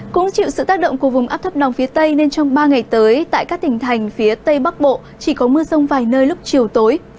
cũng chịu sự tác động của vùng áp thấp nóng phía tây nên trong ba ngày tới tại các tỉnh thành phía tây bắc bộ chỉ có mưa rông vài nơi lúc chiều tối